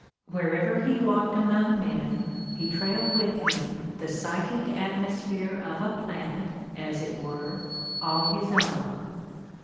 Wherever he walked among men he trailed with him the psychic atmosphere of a planet as it were all his own.